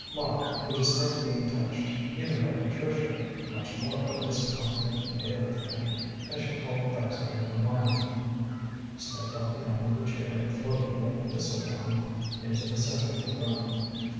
Mara, who disliked being touched, even by Patricia, much more by this confident male thing as she called Basil in her mind slipped off the arm of the chair and floated like thistledown into the centre of the room.